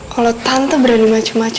kalau tante berani macem macem lihat aja